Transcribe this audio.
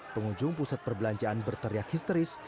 pengunjung pusat perbelanjaan berteriak histeris